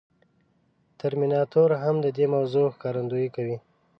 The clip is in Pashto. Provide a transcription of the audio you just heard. ترمیناتور هم د دې موضوع ښکارندويي کوي.